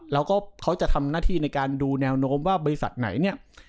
แล้วก็เขาจะทำหน้าที่ในการดูแนวโน้มว่าบริษัทไหนเนี่ย